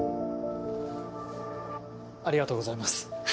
ありがとうございます。